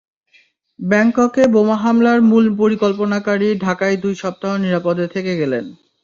ব্যাংককে বোমা হামলার মূল পরিকল্পনাকারী ঢাকায় দুই সপ্তাহ নিরাপদে থেকে গেলেন।